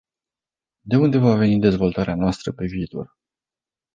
De unde va veni dezvoltarea noastră pe viitor?